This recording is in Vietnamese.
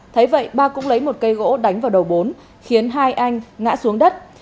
thấy vậy ba cũng lấy một cây gỗ đánh vào đầu bốn khiến hai anh ngã xuống đất